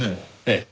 ええ。